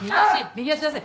右足出せ。